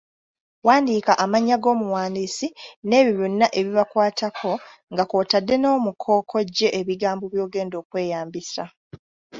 Wandiika amannya g’omuwandiisi n’ebyo byonna ebibakwatako nga kw’otadde n’omuko kw’oggye ebigambo by’ogenda okweyambisa.